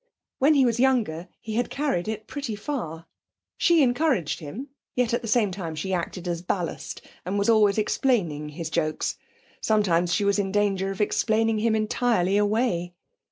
When he was younger he had carried it pretty far. She encouraged him, yet at the same time she acted as ballast, and was always explaining his jokes; sometimes she was in danger of explaining him entirely away.